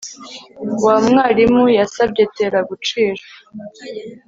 Wa mwarimu yasabye Terra gucira